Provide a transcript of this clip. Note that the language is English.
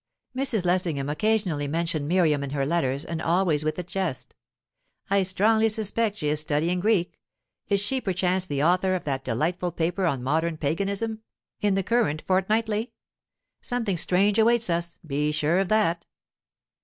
Mrs. Lessingham occasionally mentioned Miriam in her letters, and always with a jest. "I strongly suspect she is studying Greek. Is she, perchance, the author of that delightful paper on 'Modern Paganism,' in the current Fortnightly? Something strange awaits us, be sure of that."